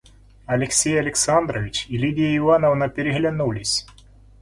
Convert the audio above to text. Алексей Александрович и Лидия Ивановна переглянулись.